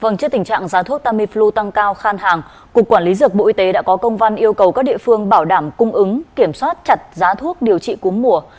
vâng trước tình trạng giá thuốc tamiflu tăng cao khan hàng cục quản lý dược bộ y tế đã có công văn yêu cầu các địa phương bảo đảm cung ứng kiểm soát chặt giá thuốc điều trị cúm mùa